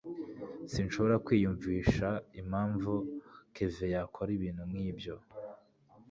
sinshobora kwiyumvisha impamvu kevin yakora ibintu nkibyo